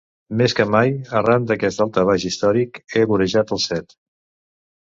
Més que mai, arran d'aquest daltabaix històric, he vorejat el Set.